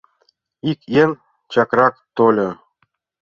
Ик еҥ чакрак тольо.